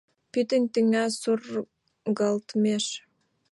Пӱтынь тӱня сургалтмеш!